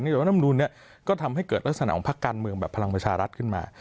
รัฐมนุนก็ทำให้เกิดลักษณะของพักการเมืองแบบพลังประชารัฐขึ้นมา